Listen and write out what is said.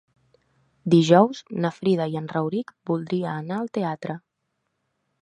Dijous na Frida i en Rauric voldria anar al teatre.